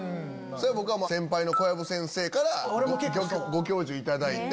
僕は先輩の小籔先生からご教授いただいて。